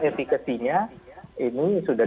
efekasinya ini sudah